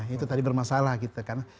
itu tadi bermasalah gitu kan